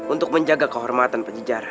untuk menjaga kehormatan pajajara